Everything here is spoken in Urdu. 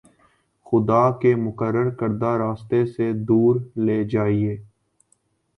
خدا کے مقرر کردہ راستے سے دور لے جائے